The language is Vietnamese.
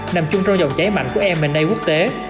nằm chung trong dòng cháy mạnh của m a quốc tế